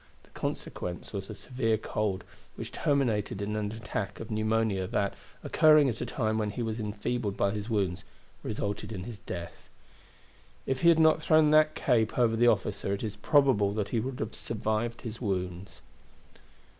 The consequence was a severe cold, which terminated in an attack of pneumonia that, occurring at a time when he was enfeebled by his wounds, resulted in his death. If he had not thrown that cape over the officer it is probable that he would have survived his wounds.